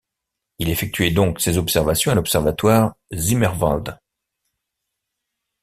Il effectuait donc ses observations à l'observatoire Zimmerwald.